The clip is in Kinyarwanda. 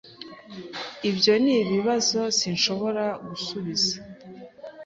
Ibyo nibibazo sinshobora gusubiza.